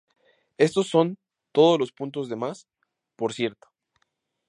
Estos son todos los puntos de más, por cierto".